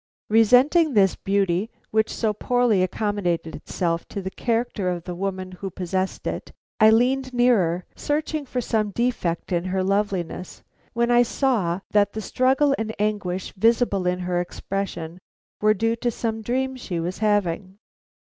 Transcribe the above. Resenting this beauty, which so poorly accommodated itself to the character of the woman who possessed it, I leaned nearer, searching for some defect in her loveliness, when I saw that the struggle and anguish visible in her expression were due to some dream she was having.